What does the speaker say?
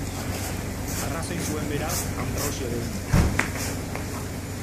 Arrazoi zuen, beraz, Anbrosio deunak.